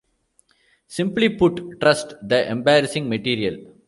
Simply put, trust the embarrassing material.